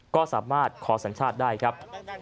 ก็สามารถขอสัญชาติได้ครับ